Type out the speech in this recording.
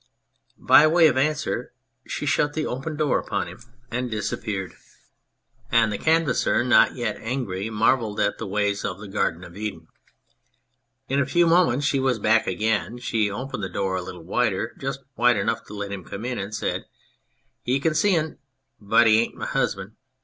'' By way of answer she shut the door upon him and 105 On Anything disappeared, and the Canvasser, not yet angry, marvelled at the ways of the Garden of Eden. In a few moments she was back again ; she opened the door a little wider, just wide enough to let him come in, and said " Ye can see un : but he bain't my husband.